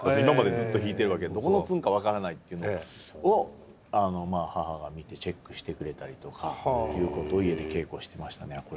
今までずっと弾いてるわけでどこのツンか分からないっていうのを母が見てチェックしてくれたりとか家で稽古してましたね